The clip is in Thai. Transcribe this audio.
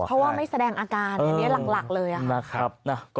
เพราะว่าไม่แสดงอาการอันนี้หลักเลยนะครับ